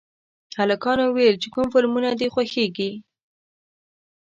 هلکانو ویل چې کوم فلمونه دي خوښېږي